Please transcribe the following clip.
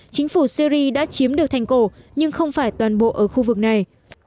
chính phủ syri đã chiếm được thành cổ nhưng không phải toàn bộ ở khu vực này